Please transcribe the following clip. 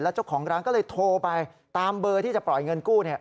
เจ้าของร้านก็เลยโทรไปตามเบอร์ที่จะปล่อยเงินกู้